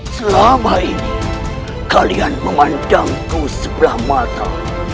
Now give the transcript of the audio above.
selama ini kalian memandangku sebelah mata